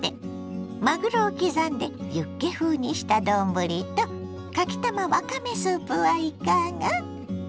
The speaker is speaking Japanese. まぐろを刻んでユッケ風にした丼とかきたまわかめスープはいかが。